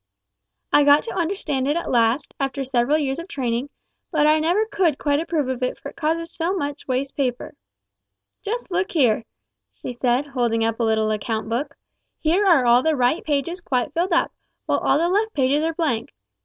I got to understand it at last, after several years of training, but I never could quite approve of it for it causes so much waste of paper. Just look here!" she said, holding up a little account book, "here are all the right pages quite filled up, while all the left pages are blank.